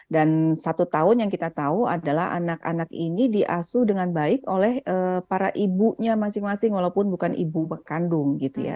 dan satu tahun yang kita tahu adalah anak anak ini diasuh dengan baik oleh para ibunya masing masing walaupun bukan ibu kandung gitu ya